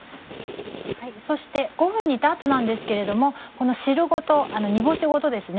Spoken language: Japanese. そして５分煮た後なんですけれどもこの汁ごと煮干しごとですね